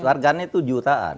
warganet itu jutaan